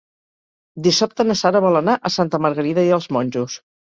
Dissabte na Sara vol anar a Santa Margarida i els Monjos.